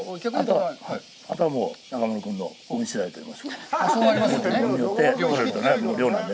あとは、もう中丸君の運次第ということで。